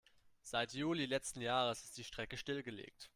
Seit Juli letzten Jahres ist die Strecke stillgelegt.